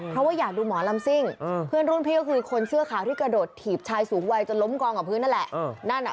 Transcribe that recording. เพราะว่าอยากดูหมอลำซิ่งเพื่อนรุ่นพี่ก็คือคนเสื้อขาวที่กระโดดถีบชายสูงวัยจนล้มกองกับพื้นนั่นแหละ